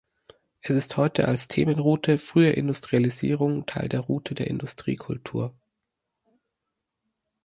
Er ist heute als Themenroute „Frühe Industrialisierung“ Teil der Route der Industriekultur.